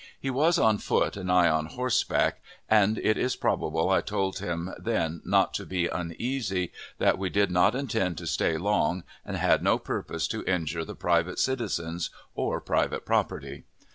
He was on foot, and I on horseback, and it is probable I told him then not to be uneasy, that we did not intend to stay long, and had no purpose to injure the private citizens or private property.